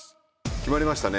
決まりましたね。